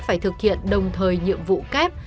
phải thực hiện đồng thời nhiệm vụ kép